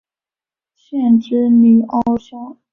县治尼欧肖。